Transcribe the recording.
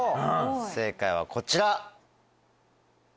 正解はこちら。